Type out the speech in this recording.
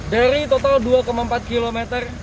dari total dua empat km